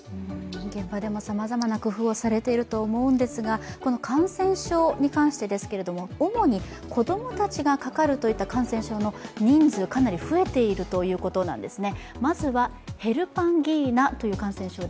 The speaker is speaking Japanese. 現場もさまざまな工夫をされていると思うんですが、感染症に関してですが、主に子供たちがかかるといった感染症の人数、かなり増えているということなんですね。